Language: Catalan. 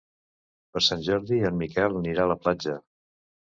Per Sant Jordi en Miquel anirà a la platja.